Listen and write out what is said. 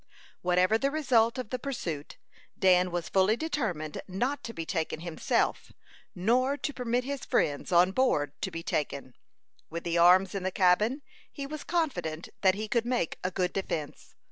Whatever the result of the pursuit, Dan was fully determined not to be taken himself, nor to permit his friends on board to be taken. With the arms in the cabin, he was confident that he could make a good defence.